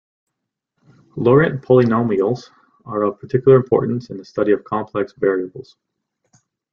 Laurent polynomials are of particular importance in the study of complex variables.